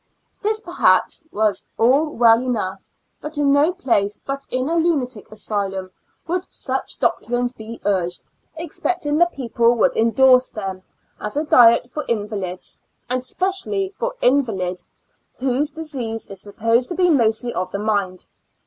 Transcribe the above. This, perhaps, was all well enough, but in no 52 Two Years and Four Months place but in a lunatic asylum would such doctrines be urged, expecting the people would indorse them, as a diet for invalids, and especially for invalids whose disease is supposed to be mostly of the mind.